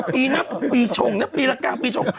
ปีนะปีชงนะปีละ๙ปีชง